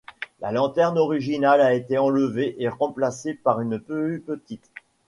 La lanterne originale a été enlevée et remplacée par une plus petite.